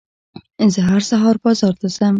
زه هر سهار بازار ته ځم.